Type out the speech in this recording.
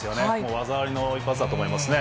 技ありの一発だと思いますね。